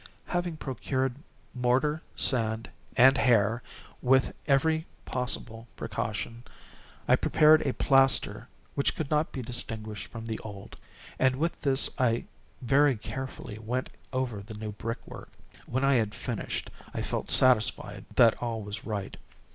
Having procured mortar, sand, and hair, with every possible precaution, I prepared a plaster which could not be distinguished from the old, and with this I very carefully went over the new brickwork. When I had finished, I felt satisfied that all was right.